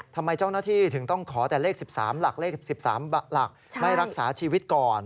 ทำไมเจ้าหน้าที่ถึงต้องขอแต่เลข๑๓หลักเลข๑๓หลักไม่รักษาชีวิตก่อน